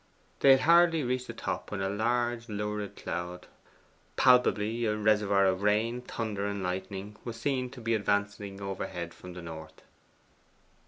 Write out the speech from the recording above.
They had hardly reached the top when a large lurid cloud, palpably a reservoir of rain, thunder, and lightning, was seen to be advancing overhead from the north.